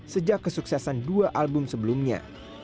sejak kesuksesan dua album sebelumnya